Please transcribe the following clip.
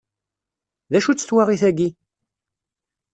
D acu-tt twaɣit-agi?